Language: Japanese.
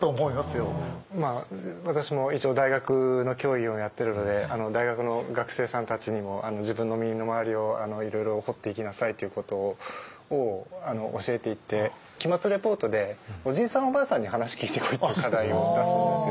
私も一応大学の教員をやってるので大学の学生さんたちにも自分の身の回りをいろいろ掘っていきなさいということを教えていて期末レポートで「おじいさんおばあさんに話聞いてこい」っていう課題を出すんですよ。